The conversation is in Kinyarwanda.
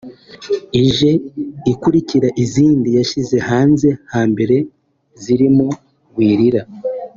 Ije ikurikira izindi yashyize hanze hambere zirimo ‘Wirira’